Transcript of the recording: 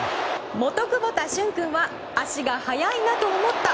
本窪田駿君は足が速いなと思った。